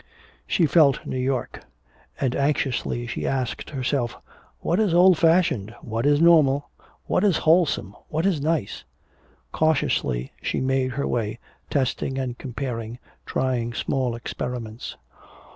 She felt New York. And anxiously she asked herself, "What is old fashioned? What is normal? What is wholesome? What is nice?" Cautiously she made her way, testing and comparing, trying small experiments.